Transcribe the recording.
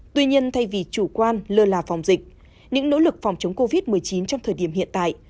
tuy nhiên thay vì chủ quan lơ là phòng dịch những nỗ lực phòng chống covid một mươi chín trong thời điểm hiện tại